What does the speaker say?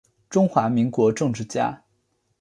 中华民国政治家。